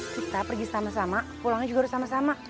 kita pergi sama sama pulangnya juga harus sama sama